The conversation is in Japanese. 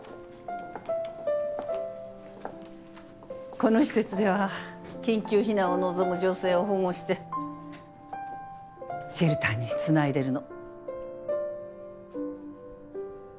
この施設では緊急避難を望む女性を保護してシェルターにつないでるの。